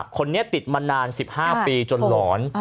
คนนี้ติดมานาน๑๕ปีจนหลอน